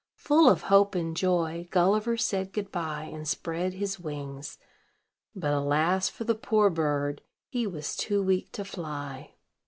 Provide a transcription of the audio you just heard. Full of hope and joy, Gulliver said good by, and spread his wings; but, alas for the poor bird! he was too weak to fly.